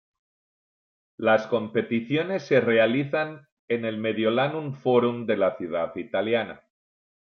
Las competiciones se realizan en el Mediolanum Forum de la ciudad italiana.